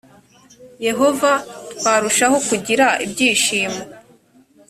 yehova twarushaho kugira ibyishimo